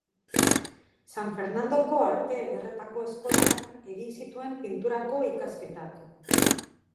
San Fernandoko Arte Ederretako eskolan egin zituen pinturako ikasketak.